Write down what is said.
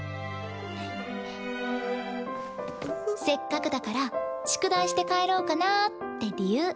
せっかくだから宿題して帰ろうかなって理由。